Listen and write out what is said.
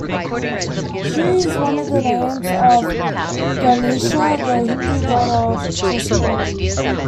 "Shri" is one of the names of Ganesha, the Hindu god of prosperity.